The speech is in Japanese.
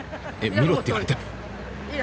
見ろって言われても。